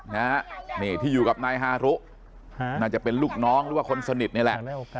นี่ที่อยู่กับนายฮารุน่าจะเป็นลูกน้องหรือว่าคนสนิทนี่แหละ